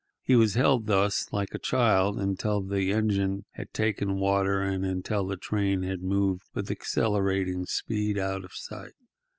He was held thus, like a child, until the engine had taken water, and until the train had moved, with accelerating speed, out of sight.